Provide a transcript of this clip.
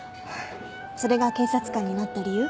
それが警察官になった理由？